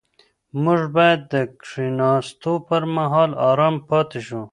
موږ باید د کښېناستو پر مهال ارام پاتې شو.